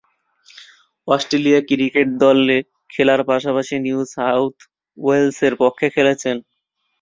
Australia cricket দলে খেলার পাশাপাশি নিউ সাউথ ওয়েলসের পক্ষে খেলছেন।